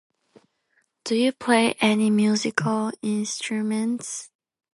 Do you play any musical instruments?